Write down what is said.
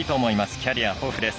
キャリア豊富です。